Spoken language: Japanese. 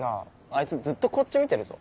あいつずっとこっち見てるぞ。